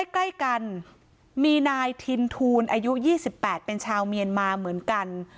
ใกล้กันมีนายทินทูลอายุ๒๘เป็นชาวเมียนมาเหมือนกัน